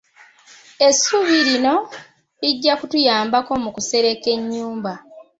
Essubi lino lijja kutuyamba mu kusereka ennyumba.